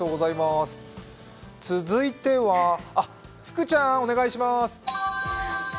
続いては、福ちゃんお願いします。